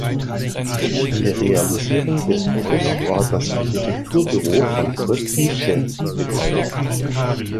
An der Realisierung des Baus war das Architekturbüro von Kurt Nietzsche beteiligt.